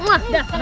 mwah dah sana